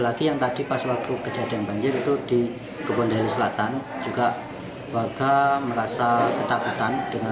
lagi yang tadi pas waktu kejadian banjir itu di kebun dari selatan juga warga merasa ketakutan dengan